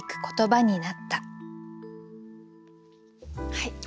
はい。